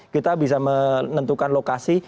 kita bisa menentukan lokasi